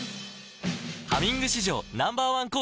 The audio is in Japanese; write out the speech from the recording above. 「ハミング」史上Ｎｏ．１抗菌